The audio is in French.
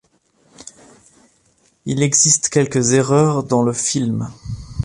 Il existe quelques erreurs dans le film.